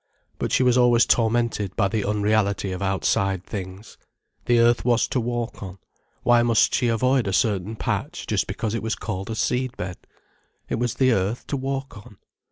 But she was always tormented by the unreality of outside things. The earth was to walk on. Why must she avoid a certain patch, just because it was called a seed bed? It was the earth to walk on.